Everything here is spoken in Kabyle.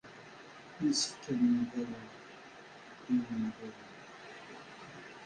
Yessefk ad nemmiḍwel i umahil-nneɣ.